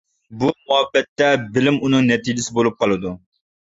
بۇ مۇھەببەتتە بىلىم ئۇنىڭ نەتىجىسى بولۇپ قالىدۇ.